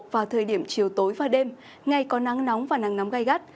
vào thời điểm chiều tối và đêm ngày có nắng nóng và nắng nóng gai gắt